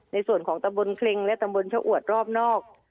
ในส่วนของตำบลเคร็งและตำบลชะอวดรอบนอก